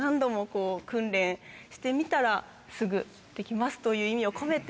してみたらすぐできますという意味を込めて。